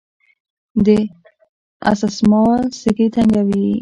د اسثما سږي تنګوي.